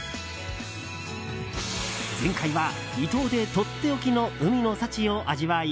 前回は伊東でとっておきの海の幸を味わい。